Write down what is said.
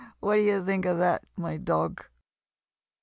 What d'ye think of that, my Dog?